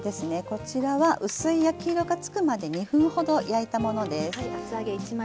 こちらは薄い焼き色が付くまで２分ほど焼いたものです。